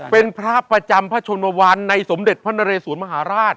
เป็นพระประจำพระชนวรรณในสมเด็จพระนเรสวนมหาราช